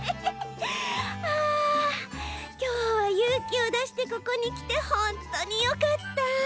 あきょうはゆうきをだしてここにきてほんとうによかった！